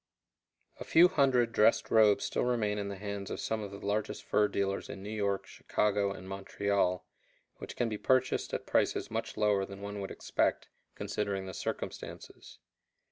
] A few hundred dressed robes still remain in the hands of some of the largest fur dealers in New York, Chicago, and Montreal, which can be purchased at prices much lower than one would expect, considering the circumstances.